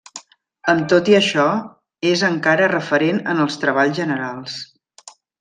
Amb tot i això és encara referent en els treballs generals.